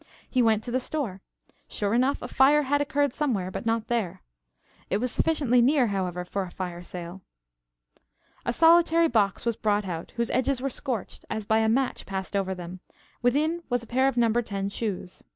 He went to the store. Sure enough, a fire had occurred somewhere, but not there. It was sufficiently near, however, for a fire sale. A solitary box was brought out, whose edges were scorched, as by a match passed over them; within was a pair of number ten shoes.